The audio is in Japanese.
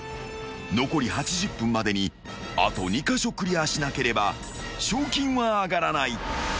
［残り８０分までにあと２カ所クリアしなければ賞金は上がらない］